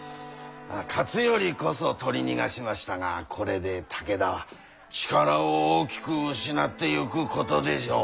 勝頼こそ取り逃がしましたがこれで武田は力を大きく失ってゆくことでしょう。